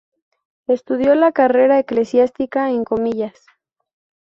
Estudió la carrera eclesiástica en Comillas.